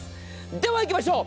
ではいきましょう。